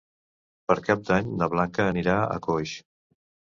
Per Cap d'Any na Blanca anirà a Coix.